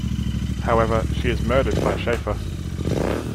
However, she is murdered by Shafer.